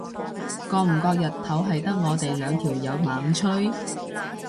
覺唔覺日頭係得我哋兩條友猛吹？